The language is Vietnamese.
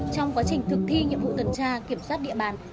trong quá trình thực thi nhiệm vụ tuần tra kiểm soát địa bàn